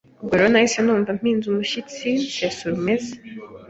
Ubwo rero nahise numva mpinze umushyitsi, nsesa urumeza,